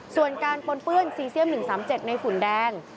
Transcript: ส่วนการปนเปื้อนซีเซียม๑๓๗ในฝุ่นแดง